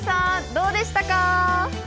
どうでしたか？